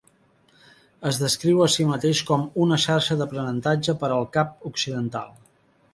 Es descriu a sí mateix com "una xarxa d'aprenentatge per al Cap Occidental".